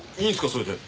それで。